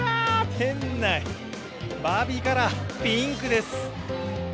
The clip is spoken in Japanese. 店内、バービーカラー、ピンクです！